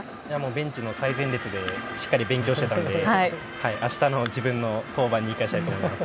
ベンチの最前列でしっかり勉強していたので明日の自分の登板に生かしたいと思います。